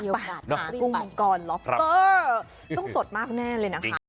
กุ้งมังกรล็อบเตอร์ต้องสดมากแน่เลยนะคะ